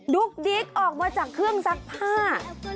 ุ๊กดิ๊กออกมาจากเครื่องซักผ้า